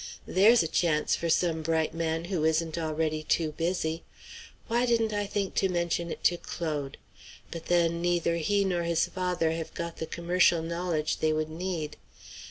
There's a chance for some bright man who isn't already too busy. Why didn't I think to mention it to Claude? But then neither he nor his father have got the commercial knowledge they would need.